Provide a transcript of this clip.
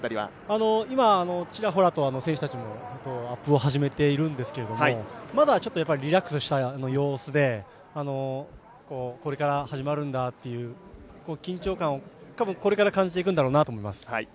今、ちらほらと選手たちがアップを始めているんですけど、まだリラックスした様子で、これから始まるんだという緊張感、これから感じていくんだろうなと感じます。